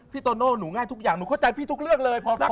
โตโน่หนูง่ายทุกอย่างหนูเข้าใจพี่ทุกเรื่องเลยพอฟัง